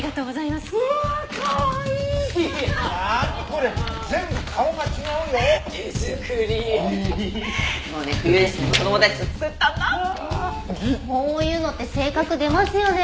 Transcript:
こういうのって性格出ますよね。